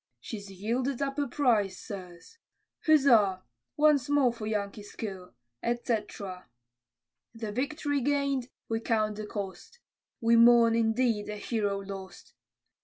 She's yielded up a prize, sirs. Huzza! once more for Yankee skill, etc. The victory gain'd, we count the cost, We mourn, indeed, a hero lost!